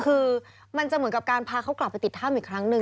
คือมันจะเหมือนกับการพาเขากลับไปติดถ้ำอีกครั้งหนึ่ง